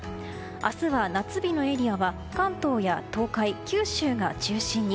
明日は夏日のエリアは関東や東海、九州が中心に。